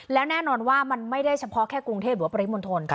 แล้วแน่นอนว่ามันไม่ได้เฉพาะแค่กรุงเทพหรือว่าปริมณฑล